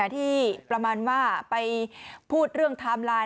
ที่ประมาณว่าไปพูดเรื่องไทม์ไลน์